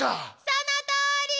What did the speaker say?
そのとおり！